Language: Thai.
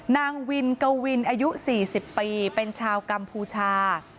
นางวินกวินอายุ๔๐ปีเป็นชาวกัมพูชา